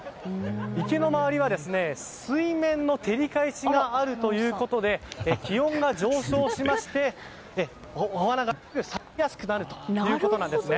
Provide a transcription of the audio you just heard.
池の周りは水面の照り返しがあるということで気温が上昇しましてお花が咲きやすくなるということなんですね。